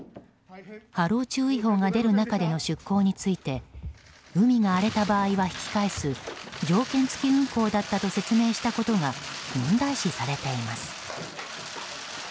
波浪注意報が出る中での出航について海が荒れた場合は引き返す条件付き運航だったと説明したことが問題視されています。